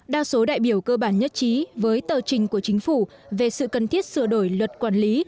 đa số đại biểu cơ bản nhất trí với tờ trình của chính phủ về sự cần thiết sửa đổi luật quản lý